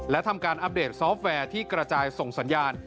และทำการอัปเดตซอฟต์แวร์ที่กระจายส่งสัญญาณ